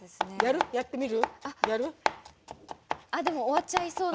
でも終わっちゃいそうな。